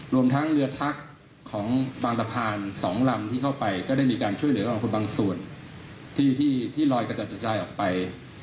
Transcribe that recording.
รวมทั้งเรือทักของฟางตะพาน๒ลำที่เข้าไปก็ได้มีการช่วยเหลือกองทุนบางส่วนที่ลอยกระจัดกระจายออกไป